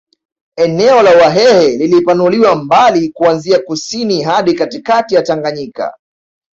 Eneo la Wahehe lilipanuliwa mbali kuanzia kusini hadi katikati ya Tangayika